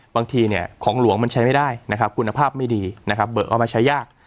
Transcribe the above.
บางทีเนี่ยของหลวงมันใช้ไม่ได้นะครับคุณภาพไม่ดีนะครับเบิกเอามาใช้ยาก